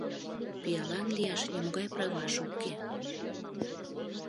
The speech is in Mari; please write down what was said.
Пиалан лияш нимогай праваже уке!